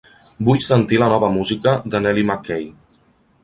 Vull sentir la nova música de Nellie Mckay.